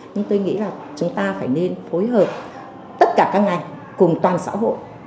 nhưng tôi nghĩ là chúng ta phải nên phối hợp tất cả các ngành cùng toàn xã hội